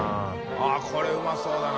あっこれうまそうだな。